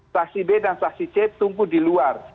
saksi b dan saksi c tumbuh di luar